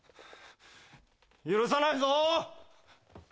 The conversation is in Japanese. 許さないぞー！